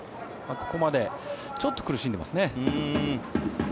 ここまでちょっと苦しんでいますね。